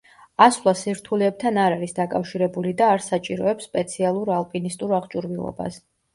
ასვლა სირთულეებთან არ არის დაკავშირებული და არ საჭიროებს სპეციალურ ალპინისტურ აღჭურვილობას.